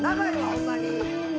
ホンマに。